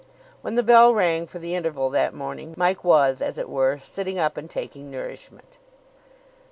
When the bell rang for the interval that morning, Mike was, as it were, sitting up and taking nourishment.